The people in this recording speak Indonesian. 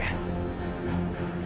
tapi tenang aja